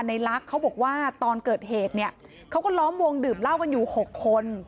ในลักษณ์เขาบอกว่าตอนเกิดเหตุเนี่ยเขาก็ล้อมวงดื่มเหล้ากันอยู่๖คน